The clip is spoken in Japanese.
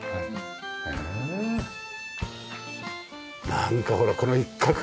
なんかほらこの一角。